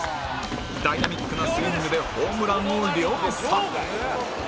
ダイナミックなスイングでホームランを量産